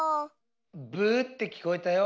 ブーってきこえたよ。